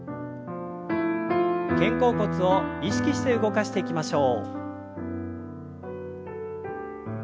肩甲骨を意識して動かしていきましょう。